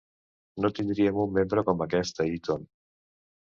No tindríem un membre com aquest a Eton.